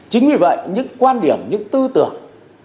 chính vì vậy những quan điểm những tư tưởng